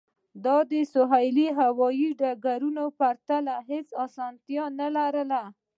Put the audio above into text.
دا د سویلي هوایی ډګرونو په پرتله هیڅ اسانتیاوې نلري